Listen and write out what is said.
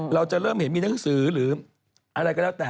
เราจะเริ่มเห็นมีหนังสือหรืออะไรก็แล้วแต่